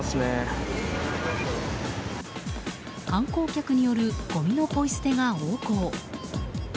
観光客によるごみのポイ捨てが横行。